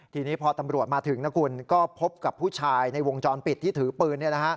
ทีนี้พอตำรวจมาถึงนะคุณก็พบกับผู้ชายในวงจรปิดที่ถือปืน